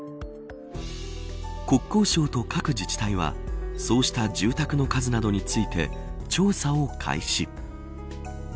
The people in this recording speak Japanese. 国交省と各自治体はそうした住宅の数などについて調査を開始。